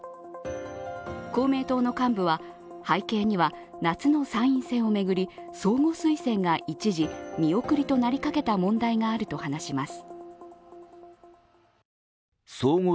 公明党の幹部は、背景には夏の参院選を巡り相互推薦が一時、見送りとなりかけた問題があると話します。